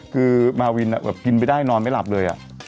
คือมาวินอ่ะแบบกินไปได้นอนไม่หลับเลยอ่ะ